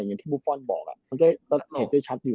อย่างที่บุฟฟอลบอกมันก็เห็นได้ชัดอยู่